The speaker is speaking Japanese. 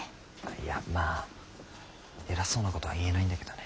いやまあ偉そうなことは言えないんだけどね。